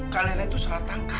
kalian itu salah tangkap